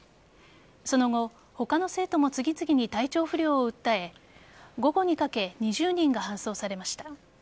その後他の生徒も次々に体調不良を訴え午後にかけ２０人が搬送されました。